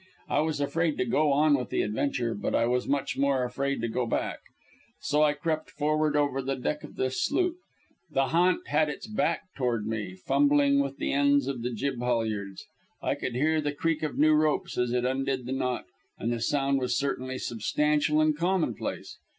I was afraid to go on with the adventure, but I was much more afraid to go back. So I crept forward over the deck of the sloop. The "ha'nt" had its back toward me, fumbling with the ends of the jib halyards. I could hear the creak of new ropes as it undid the knot, and the sound was certainly substantial and commonplace.